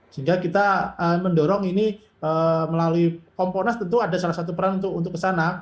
sehingga kita mendorong ini melalui komponas tentu ada salah satu peran untuk kesana